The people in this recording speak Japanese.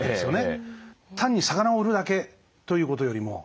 単に魚を売るだけということよりも幅が出てきた。